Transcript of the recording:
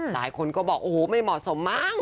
หลายคนก็บอกไม่เหมาะสมมาก